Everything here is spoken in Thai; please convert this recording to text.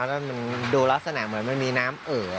มันมันดูลักษณะเหมือนมีน้ำเอ๋อ